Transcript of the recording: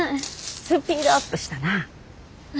スピードアップしたなぁ。